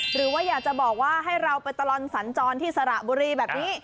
หรือว่าอยากจะบอกว่าให้เราไปตลอดสัญจรที่สระบุรีแบบนี้